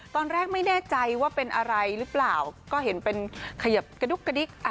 ตอนแรกไม่แน่ใจว่าเป็นอะไรหรือเปล่าก็เห็นเป็นขยับกระดุ๊กกระดิ๊ก